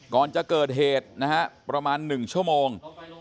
ก่อนจะเกิดเหตุนะฮะประมาณ๑ชั่วโมง